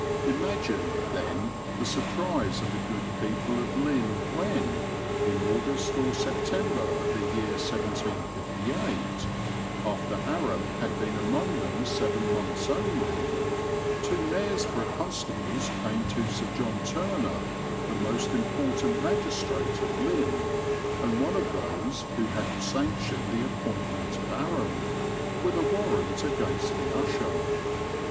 Imagine, then, the surprise of the good people of Lynn when, in August or September of the year 1758, after Aram had been among them seven months only, two Knaresborough constables came to Sir John Turner, the most important magistrate of Lynn, and one of those who had sanctioned the appointment of Aram, with a warrant against the usher.